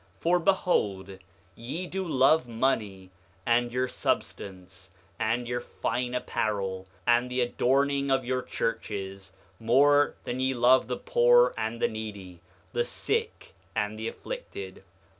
8:37 For behold, ye do love money, and your substance, and your fine apparel, and the adorning of your churches, more than ye love the poor and the needy, the sick and the afflicted.